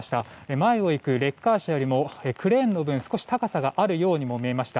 前を行くレッカー車よりもクレーンの部分少し高さがあるようにも見えました。